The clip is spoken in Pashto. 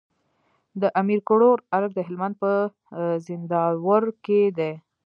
د امير کروړ ارګ د هلمند په زينداور کي دی